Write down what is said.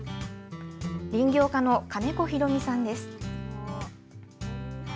林業家の金子裕美さんです。